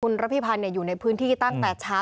คุณระพิพันธ์อยู่ในพื้นที่ตั้งแต่เช้า